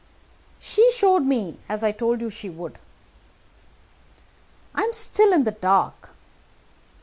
"She showed me, as I told you that she would." "I am still in the dark."